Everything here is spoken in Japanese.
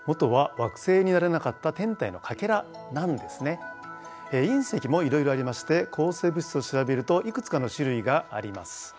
実はいん石もいろいろありまして構成物質を調べるといくつかの種類があります。